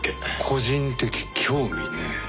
個人的興味ねぇ。